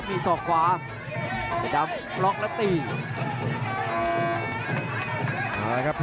อื้อหือจังหวะขวางแล้วพยายามจะเล่นงานด้วยซอกแต่วงใน